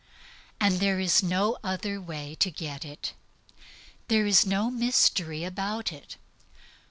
And there is no other way to get it. There is no mystery about it.